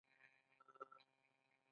حلقوي سړک کوم ښارونه نښلوي؟